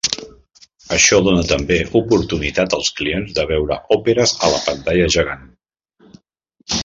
Això dóna també oportunitat als clients de veure Òperes a la pantalla gegant.